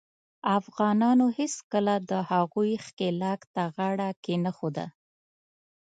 افغانانو هیڅکله د هغوي ښکیلاک ته غاړه کښېنښوده.